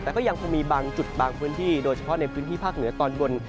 แต่ก็ยังคงมีบางจุดบางพื้นที่โดยเฉพาะในพื้นที่ภาคเหนือตอนบน